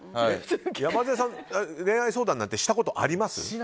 山添さん、恋愛相談なんてしたことあります？